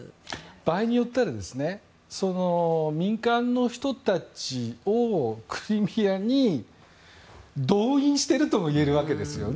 場合によっては民間の人たちをクリミアに動員しているとも言えるわけですよね。